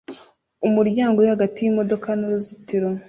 Umuryango uri hagati yimodoka nuruzitiro